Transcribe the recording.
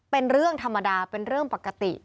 เป็นเรื่องธรรมดาเป็นเรื่องปกติ